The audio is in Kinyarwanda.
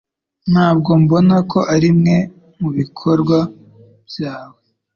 Ntabwo mbona ko arimwe mubikorwa byawe